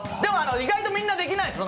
意外とみんなできないですよ